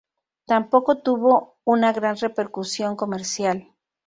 Tampoco tuvo una gran repercusión comercial.